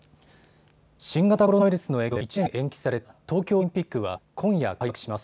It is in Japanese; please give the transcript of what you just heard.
新型コロナウイルスの影響で１年延期された東京オリンピックは今夜、開幕します。